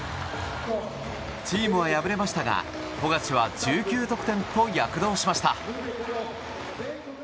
チームは敗れましたが富樫は１９得点と躍動しました。